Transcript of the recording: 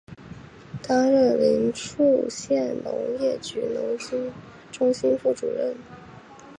担任临沭县农业局农经中心副主任。